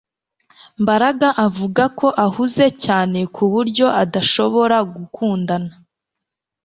Mbaraga avuga ko ahuze cyane ku buryo adashobora gukundana